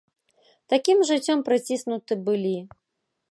Такім жыццём прыціснуты былі.